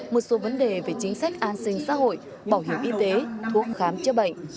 một số vấn đề về chính sách an sinh xã hội bảo hiểm y tế thuốc khám chữa bệnh